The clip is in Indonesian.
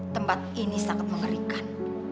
tempat ini sangat mengerikan